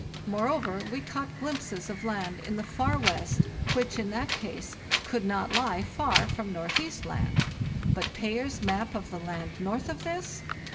Moreover, we caught glimpses of land in the far west which in that case could not lie far from Northeast Land. But Payer's map of the land north of this?